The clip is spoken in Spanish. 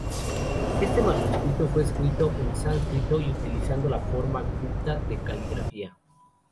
Este manuscrito fue escrito en sánscrito y utilizando la forma Gupta de caligrafía.